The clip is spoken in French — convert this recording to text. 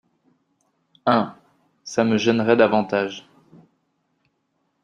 Un… ça me gênerait davantage.